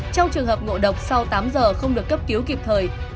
trong trường hợp ngộ độc sau tám giờ không được cấp cứu kịp thời